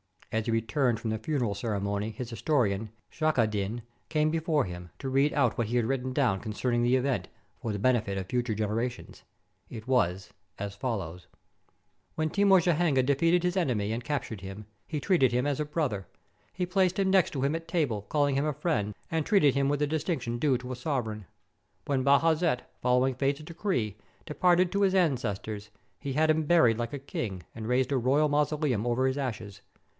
As he returned from the fu neral ceremony his historian, Shacheddin, came before him, to read out what he had written down concerning 471 TURKEY the event, for the benefit of future generations. It was as follows :— "When Timur Djeihangir defeated; his enemy and captured him, he treated him as a brother. He placed him next to him at table, calling him friend, and treated him with the distinction due to a sovereign. When Bajazet, following fate's decree, departed to his ances tors, he had him buried like a king, and raised a royal mausoleum over his ashes.